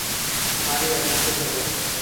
মারিয়া, শান্ত থাকো।